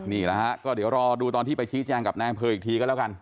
นี่แหละฮะก็เดี๋ยวรอดูตอนที่ไปชี้แจงกับนายอำเภออีกทีก็แล้วกัน